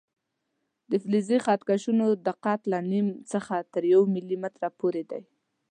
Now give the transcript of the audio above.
د فلزي خط کشونو دقت له نیم څخه تر یو ملي متره پورې دی.